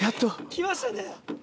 きましたね。